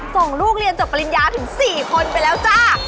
ส่งลูกเรียนจบปริญญาถึง๔คนไปแล้วจ้า